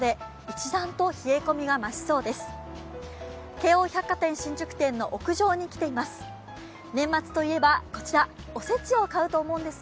京王百貨店新宿店の屋上に来ています。